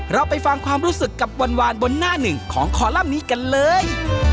เราไปฟังความรู้สึกกับหวานบนหน้าหนึ่งของคอลัมป์นี้กันเลย